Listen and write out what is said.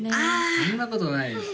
そんなことないです